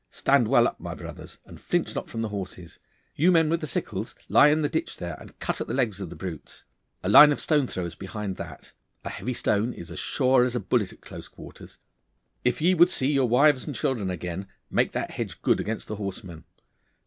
Stand well up, my brothers, and flinch not from the horses. You men with the sickles, lie in the ditch there, and cut at the legs of the brutes. A line of stone throwers behind that. A heavy stone is as sure as a bullet at close quarters. If ye would see your wives and children again, make that hedge good against the horsemen.